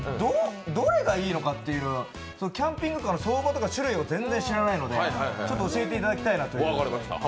どれがいいのかっていう、キャンピングカーの相場とか種類を全然知らないのでちょっと教えていただきたいという。